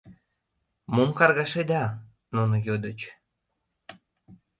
— Мом каргашеда? — нуно йодыч.